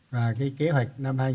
và cái kế hoạch năm hai nghìn hai mươi